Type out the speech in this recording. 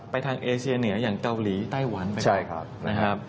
ทางเอเชียเหนืออย่างเกาหลีไต้หวันไปใช่ครับนะครับ